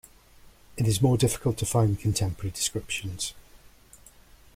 It is more difficult to find contemporary descriptions.